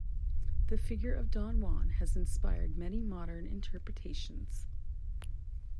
The figure of Don Juan has inspired many modern interpretations.